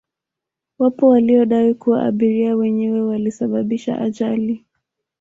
wapo waliodai kuwa abiria wenyewe walisababisha ajali